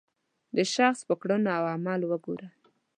د شخص په کړنو او عمل وګوره.